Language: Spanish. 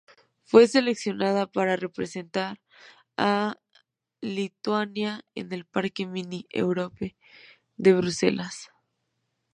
Fue seleccionada para representar a Lituania en el Parque Mini-Europe de Bruselas.